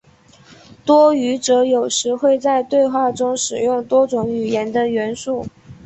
多语者有时会在对话中使用多种语言的元素。